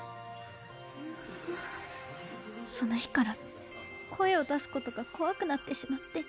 その日から声を出すことがこわくなってしまって。